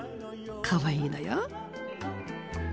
かわいいのよ！